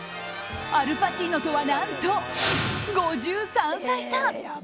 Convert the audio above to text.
アル・パチーノとは何と５３歳差。